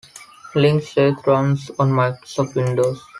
Link Sleuth runs on Microsoft Windows.